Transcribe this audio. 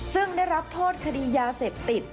ซึ่งได้รับโทษคดียาเสพติด